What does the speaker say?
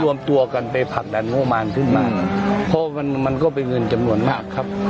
รวมตัวกันไปผลักดันงบมารขึ้นมาเพราะมันมันก็เป็นเงินจำนวนมากครับ